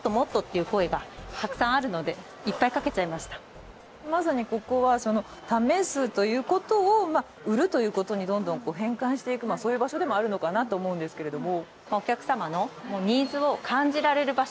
約まさにここはその試すということを売るということにどんどん変換していくそういう場所でもあるのかなと思うんですけれども。